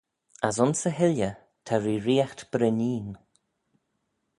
As ayns e hilley ta reeriaght breneen.